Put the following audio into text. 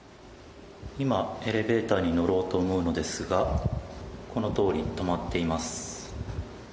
今、エレベーターに乗ろうと思うのですが、このとおり、止まっています。